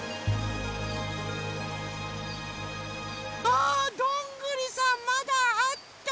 あどんぐりさんまだあった！